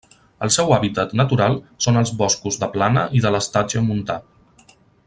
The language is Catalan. El seu hàbitat natural són els boscos de plana i de l'estatge montà.